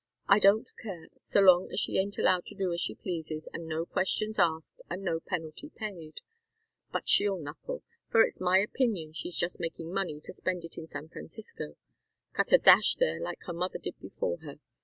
I don't care, so long as she ain't allowed to do as she pleases and no questions asked and no penalty paid. But she'll knuckle, for it's my opinion she's just making money to spend it in San Francisco cut a dash there like her mother did before her.